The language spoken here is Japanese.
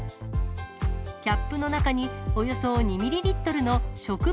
キャップの中におよそ２ミリリットルの植物